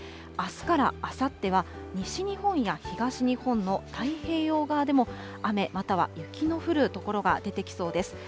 あすからあさっては、西日本や東日本の太平洋側でも、雨または雪の降る所が出てきそうです。